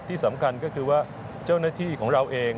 ที่สำคัญก็คือว่าเจ้าหน้าที่ของเราเอง